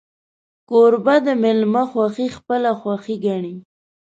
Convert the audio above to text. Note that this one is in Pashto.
کوربه د میلمه خوښي خپله خوښي ګڼي.